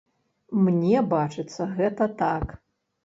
Мне бачыцца гэта так.